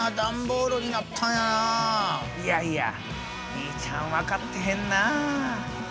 いやいや兄ちゃん分かってへんなあ。